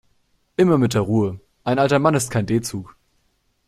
Immer mit der Ruhe, ein alter Mann ist kein D-Zug.